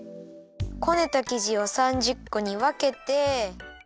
こねたきじを３０こにわけて。